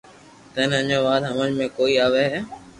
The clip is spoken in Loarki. ٿني اجھو وات ھمج ۾ ڪوئي آوي ھي